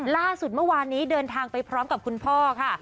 ล่าสุดเมื่อวานนี้เดินทางไปพร้อมกับคุณพ่อค่ะ